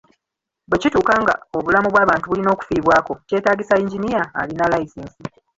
Bwe kituuka nga obulamu bw'abantu bulina okufiibwako, kyetaagisa yinginiya alina layisinsi.